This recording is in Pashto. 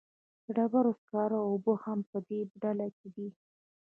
د ډبرو سکاره او اوبه هم په دې ډله کې دي.